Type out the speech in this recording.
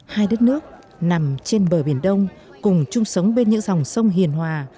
hai đất nước nằm trên bờ biển đông cùng chung sống bên những dòng sông hiền hòa